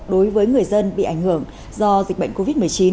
đối với người dân bị ảnh hưởng do dịch bệnh covid một mươi chín